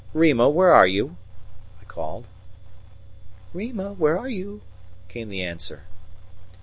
"Rima, where are you?" I called. "Rima, where are you?" came the answer.